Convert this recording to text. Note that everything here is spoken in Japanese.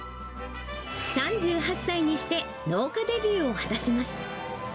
３８歳にして農家デビューを果たします。